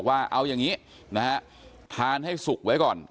อาจทานให้สุกไว้ก่อน